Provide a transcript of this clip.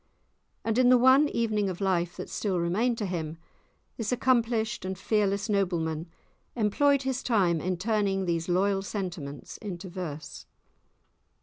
And in the one evening of life that still remained to him, this accomplished and fearless nobleman employed his time in turning these loyal sentiments into verse.